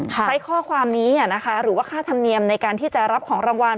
ใช้ข้อความนี้หรือว่าค่าธรรมเนียมในการที่จะรับของรางวัล